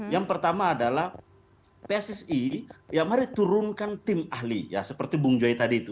yang pertama adalah pssi ya mari turunkan tim ahli ya seperti bung joy tadi itu